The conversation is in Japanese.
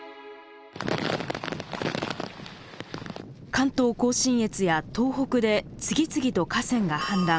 関東甲信越や東北で次々と河川が氾濫。